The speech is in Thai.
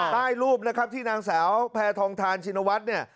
ใต้รูปนะครับที่นางสาวแพทองทานชินวัฒน์เนี่ย